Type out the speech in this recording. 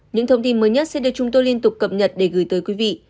những thông tin mới nhất sẽ được chúng tôi liên tục cập nhật để gửi tới quý vị